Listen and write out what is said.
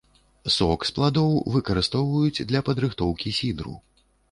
Сок з пладоў выкарыстоўваюць для падрыхтоўкі сідру.